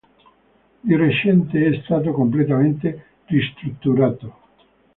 Di recente è stato completamente ristrutturato.